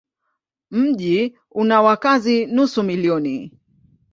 Mji una wakazi nusu milioni.